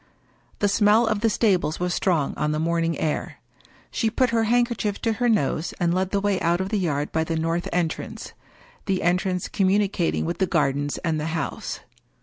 The smell of the stables was strong on the morning air. She put her handkerchief to her nose and led the way out of the yard by the north entrance — the entrance communi cating with the gardens and the house.